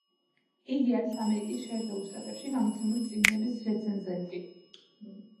იგი არის ამერიკის შეერთებულ შტატებში გამოცემული წიგნების რეცენზენტი.